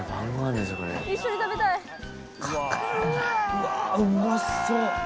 うわうまそう！